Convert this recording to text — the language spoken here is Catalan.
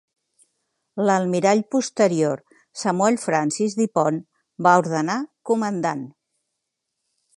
L'almirall posterior Samuel Francis Du Pont va ordenar comandant.